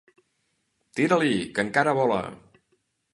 Tira-li, que encara vola!